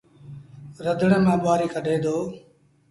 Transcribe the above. رڌڻي مآݩ ٻوهآريٚ ڪڍي دو۔